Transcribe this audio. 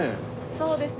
そうですね。